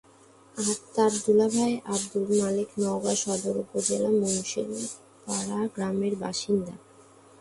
আর তাঁর দুলাভাই আবদুল মালেক নওগাঁ সদর উপজেলার মুন্সিপাড়া গ্রামের বাসিন্দা।